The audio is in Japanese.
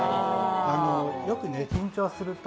よく緊張すると